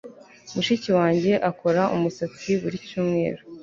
Mushiki wanjye akora umusatsi buri cyumweru